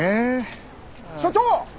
所長！